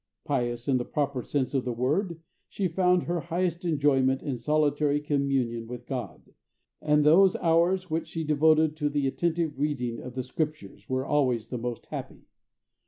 Pious, in the proper sense of the word, she found her highest enjoyment in solitary communion with God, and those hours which she devoted to the attentive reading of the Scriptures were always the most happy.